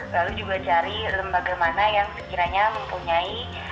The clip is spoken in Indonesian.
lalu juga cari lembaga mana yang sekiranya mempunyai